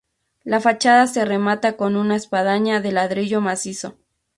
La fachada se remata con una espadaña de ladrillo macizo.